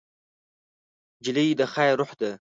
نجلۍ د خیر روح ده.